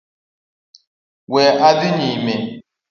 We odhi nyime